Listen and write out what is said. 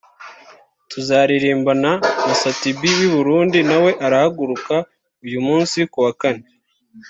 tuzanaririmbana na Sat B w’i Burundi nawe arahaguruka uyu munsi [kuwa Kane]